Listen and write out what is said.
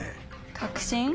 確信？